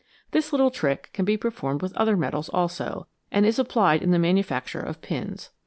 This little trick can be performed with other metals also, and is applied in the manufacture of pins.